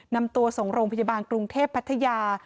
นำตัวส่งโรงพยาบาลกรุงเทพพัทยา